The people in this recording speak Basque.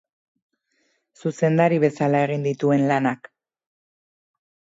Zuzendari bezala egin dituen lanak.